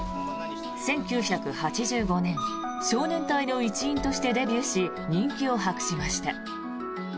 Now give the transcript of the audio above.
１９８５年、少年隊の一員としてデビューし人気を博しました。